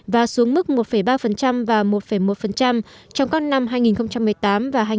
và xuống mức một ba và một một trong các năm hai nghìn một mươi tám và hai nghìn một mươi